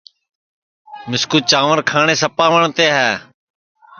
مِسکُو چانٚور کھاٹؔے سپا وٹؔتے ہے